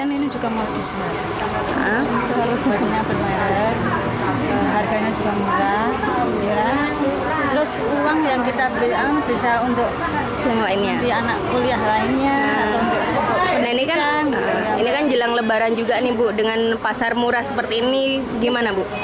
ini kan jelang lebaran juga nih bu dengan pasar murah seperti ini gimana bu